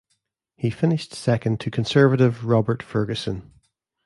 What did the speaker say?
He finished second to Conservative Robert Ferguson.